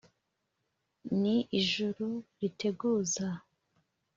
ni ijuru riteguza